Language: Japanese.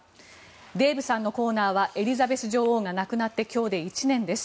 デーブさんのコーナーはエリザベス女王が亡くなって今日で１年です。